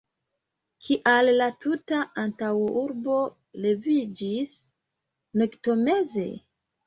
Kial la tuta antaŭurbo leviĝis noktomeze?